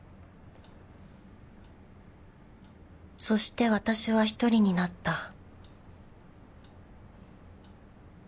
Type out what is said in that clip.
そして私は１人になった